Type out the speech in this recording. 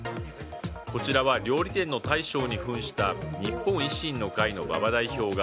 こちらは料理店の大将に扮した日本維新の会の馬場代表が